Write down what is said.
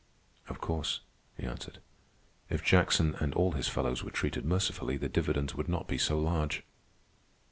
"Of course," he answered. "If Jackson and all his fellows were treated mercifully, the dividends would not be so large."